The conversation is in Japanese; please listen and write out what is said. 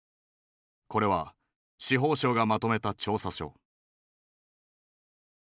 これは司法省がまとめた調査書。